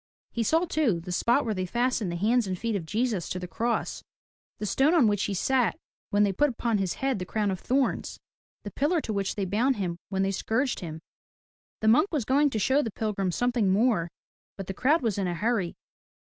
He saw too, the spot where they fastened the hands and feet of Jesus to the cross, the stone on which he sat when they put upon his head the crown of thorns, the pillar to which they bound him when they scourged him. The monk was going to show the pilgrims something more but the crowd was in a hurry.